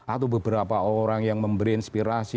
atau beberapa orang yang memberi inspirasi